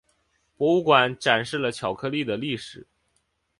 博物馆展示了巧克力的历史。